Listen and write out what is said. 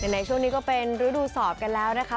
ในช่วงนี้ก็เป็นฤดูสอบกันแล้วนะคะ